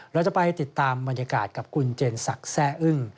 เราจะไปติดตามบรรยากาศกับคุณเจนศักดิ์แซ่อึ้ง